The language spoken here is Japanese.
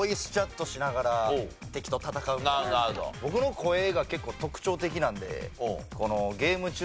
僕の声が結構特徴的なんで。